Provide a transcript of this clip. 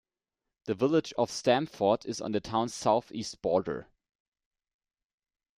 The village of Stamford is on the town's southeast border.